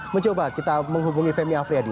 mencoba kita menghubungi femi afriyadi